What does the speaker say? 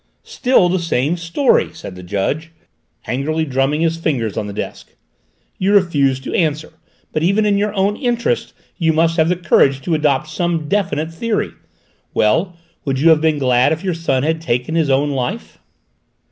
"Still the same story!" said the judge, angrily drumming his fingers on the desk. "You refuse to answer. But even in your own interests you must have the courage to adopt some definite theory. Well, would you have been glad if your son had taken his own life?"